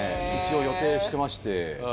一応予定してまして。